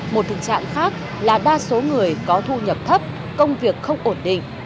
một thực trạng khác là đa số người có thu nhập thấp công việc không ổn định